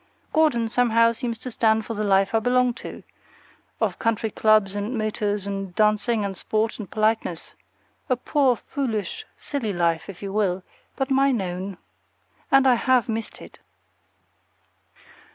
Gordon somehow seems to stand for the life I belong to, of country clubs and motors and dancing and sport and politeness, a poor, foolish, silly life, if you will, but mine own. And I have missed it.